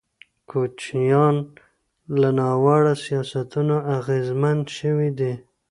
کوچیان له ناوړه سیاستونو اغېزمن شوي دي.